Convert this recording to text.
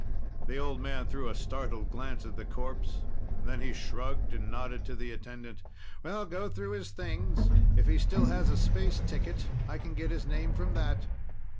The old man threw a startled glance at the corpse. Then he shrugged and nodded to the attendant. "Well, go through his things. If he still has a space ticket, I can get his name from that."